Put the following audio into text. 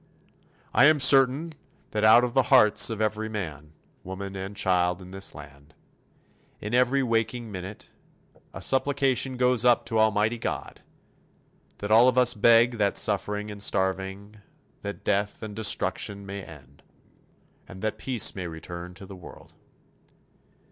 I am certain that out of the hearts of every man, woman and child in this land, in every waking minute, a supplication goes up to Almighty God; that all of us beg that suffering and starving, that death and destruction may end and that peace may return to the world.